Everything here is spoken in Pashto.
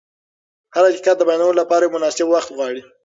هر حقیقت د بیانولو لپاره یو مناسب وخت غواړي.